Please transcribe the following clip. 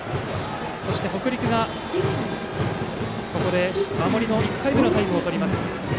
そして北陸がここで守りの１回目のタイムを取ります。